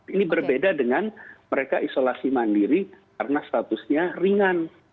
ini berbeda dengan mereka isolasi mandiri karena statusnya ringan